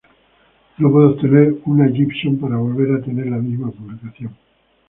No puedo obtener una Gibson para volver a tener la misma publicación".